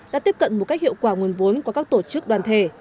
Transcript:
đã tiếp cận một cách hiệu quả nguồn vốn của các tổ chức đoàn thể